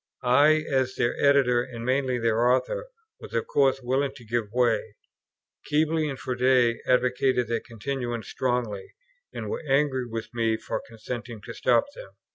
I, as their editor, and mainly their author, was of course willing to give way. Keble and Froude advocated their continuance strongly, and were angry with me for consenting to stop them.